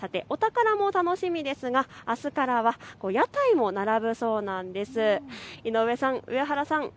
さてお宝も楽しみですがあすからは屋台も並ぶそうなんです。